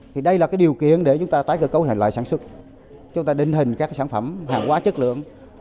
thì đây là điều kiện để chúng ta tái cơ cấu hành loại sản xuất chúng ta đình hình các sản phẩm hàng quá chất lượng